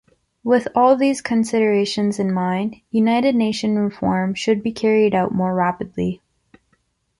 With all these considerations in mind, United Nations reform should be carried out more rapidly.